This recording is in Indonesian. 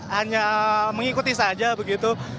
hanya mengikuti saja begitu